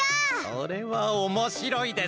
それはおもしろいですね！